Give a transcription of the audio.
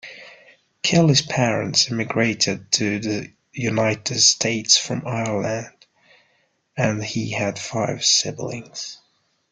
Kelley's parents emigrated to the United States from Ireland, and he had five siblings.